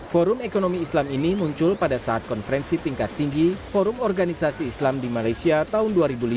forum ekonomi islam ini muncul pada saat konferensi tingkat tinggi forum organisasi islam di malaysia tahun dua ribu lima